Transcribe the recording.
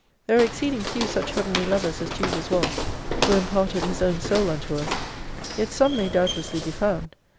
There are exceed ing few such Heavenly Lovers as Jesus was, who imparted His own soul unto us. Yet some may doubt lessly be found.